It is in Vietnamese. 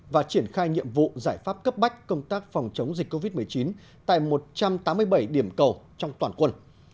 và triển khai nhiệm vụ giải pháp cấp bách công tác phòng chống dịch covid một mươi chín tại một trăm tám mươi bảy điểm cầu trong toàn quân